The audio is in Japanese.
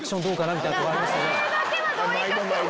みたいなとこありましたね。